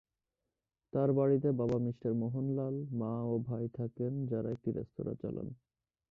তার বাড়িতে বাবা মিঃ মোহনলাল, মা ও ভাই থাকেন যারা একটি রেস্তোরা চালান।